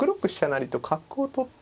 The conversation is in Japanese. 成と角を取って。